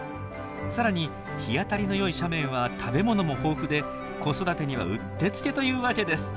さらに日当たりのよい斜面は食べ物も豊富で子育てにはうってつけというわけです。